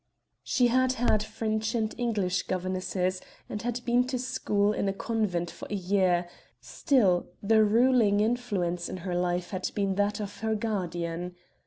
She had had French and English governesses and had even been to school in a convent for a year; still, the ruling influence in her life had been that of her guardian.